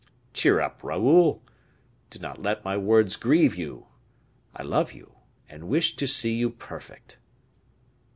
Cheer up, Raoul! do not let my words grieve you; I love you, and wish to see you perfect."